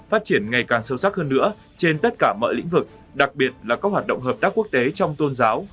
phát triển ngày càng sâu sắc hơn nữa trên tất cả mọi lĩnh vực đặc biệt là các hoạt động hợp tác quốc tế trong tôn giáo